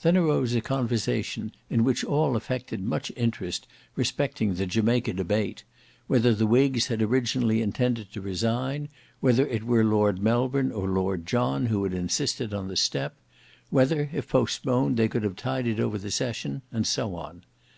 Then arose a conversation in which all affected much interest respecting the Jamaica debate; whether the whigs had originally intended to resign; whether it were Lord Melbourne or Lord John who had insisted on the step; whether if postponed they could have tided over the session; and so on.